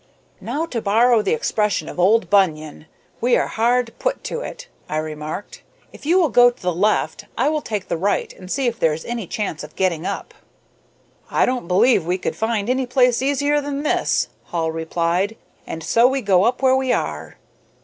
"Now, to borrow the expression of old Bunyan, we are hard put to it," I remarked. "If you will go to the left I will take the right and see if there is any chance of getting up." "I don't believe we could find any place easier than this," Hall replied, "and so up we go where we are."